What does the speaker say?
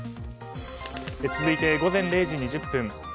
続いて午前０時２０分。